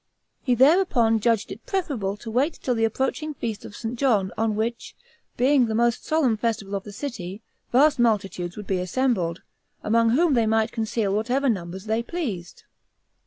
He thereupon judged it preferable to wait till the approaching feast of St. John on which, being the most solemn festival of the city, vast multitudes would be assembled, among whom they might conceal whatever numbers they pleased.